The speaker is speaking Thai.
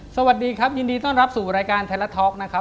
สวัสดีครับกลุ่มวิทยุ